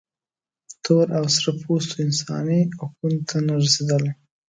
تور او سره پوستو انساني حقونو ته نه رسېدله.